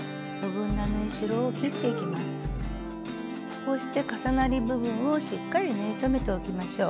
こうして重なり部分をしっかり縫い留めておきましょう。